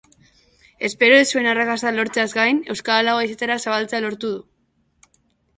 Espero ez zuen arrakasta lortzeaz gain, euskara lau haizetara zabaltzea lortu du.